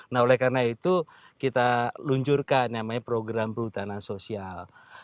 nah oleh karena itu kita luncurkan namanya program perhutanan sosial